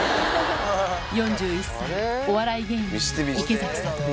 ４１歳、お笑い芸人、池崎慧。